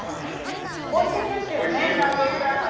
おいしいんですけれどもね納豆チャーハン。